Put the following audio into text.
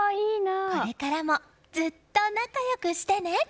これからもずっと仲良くしてね！